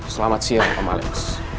selamat siang om alex